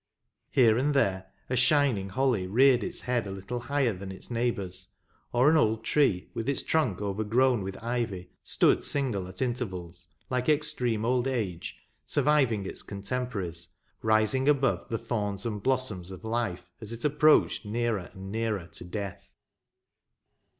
Here and there a shining holly reared its head a little higher than its neighbours, or an old tree, with its trunk overgrown with ivy, stood single at intervals, like extreme old age, surviving its contemporaries, rising above the thorns and blossoms of life, as it approached nearer and nearer to death.